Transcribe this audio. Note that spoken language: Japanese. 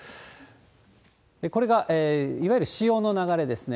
これがいわゆる潮の流れですね。